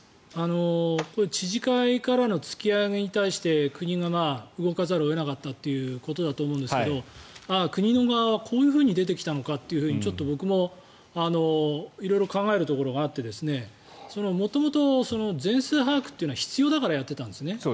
知事会からの突き上げに対して国が動かざるを得なかったということだと思うんですが国の側はこういうふうに出てきたのかとちょっと僕も色々考えるところがあって元々、全数把握というのは必要だからやっていたんですね。